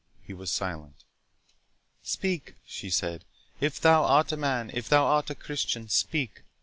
He was silent. "Speak," she said, "if thou art a man—if thou art a Christian, speak!